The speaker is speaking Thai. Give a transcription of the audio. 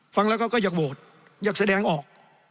ฟังแล้วเขาก็อยากโหวตอยากแสดงออก